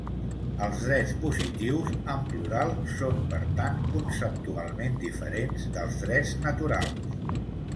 Els drets positius, en plural, són per tant conceptualment diferents dels drets naturals.